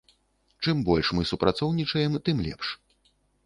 Чым больш мы супрацоўнічаем, тым лепш.